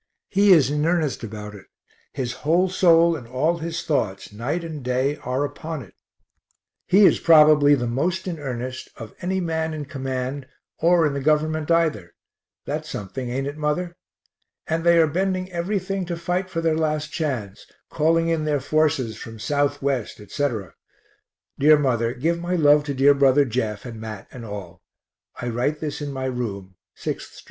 He is in earnest about it; his whole soul and all his thoughts night and day are upon it. He is probably the most in earnest of any man in command or in the Government either that's something, ain't it, mother? and they are bending everything to fight for their last chance calling in their forces from Southwest, etc. Dear mother, give my love to dear brother Jeff and Mat and all. I write this in my room, 6th st.